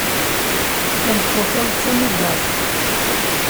Tameṭṭut-a d tamugaḍt.